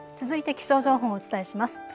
続いて気象情報をお伝えします。